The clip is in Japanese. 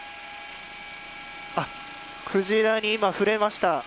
クジラに今、触れました。